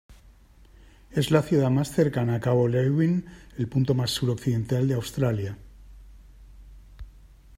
Es la ciudad más cercana a cabo Leeuwin, el punto más sur-occidental de Australia.